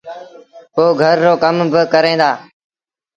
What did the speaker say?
پو گھر رو ڪم با ڪريݩ دآ۔